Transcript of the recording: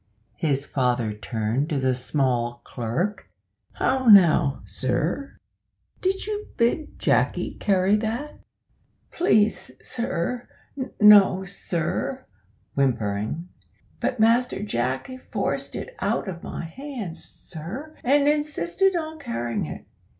his father turned to the small clerk "How now, sir, did you bid Jacky carry that?" "Please, sir no, sir;" (whimpering), "but Master Jacky forced it out of my hand, sir, and insisted on carrying it.